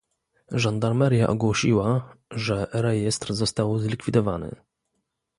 Żandarmeria ogłosiła, że rejestr został zlikwidowany